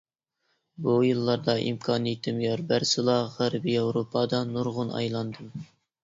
بۇ يىللاردا، ئىمكانىيىتىم يار بەرسىلا غەربىي ياۋروپادا نۇرغۇن ئايلاندىم.